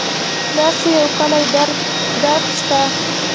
داسې یو کُلي درک شته.